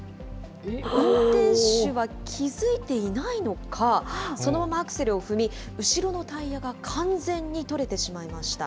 運転手は気付いていないのか、そのままアクセルを踏み、後ろのタイヤが完全に取れてしまいました。